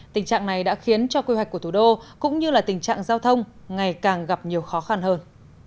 tình trạng này đã khiến cho quy hoạch của thủ đô cũng như tình trạng giao thông ngày càng gặp nhiều khó khăn hơn